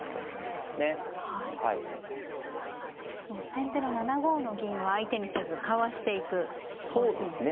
先手の７五の銀は相手にせずかわしていく方針ですね。